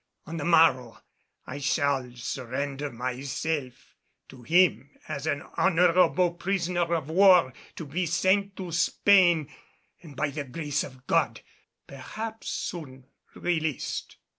On the morrow I shall surrender myself to him as an honorable prisoner of war to be sent to Spain, and by the grace of God, perhaps soon released."